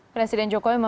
presiden jokowi memimpin